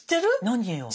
何よ。